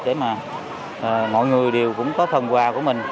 để mà mọi người đều cũng có phần quà của mình